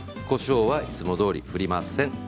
こしょうは、いつもどおり振りません。